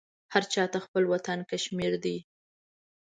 هر چاته خپل وطن کشمیر دی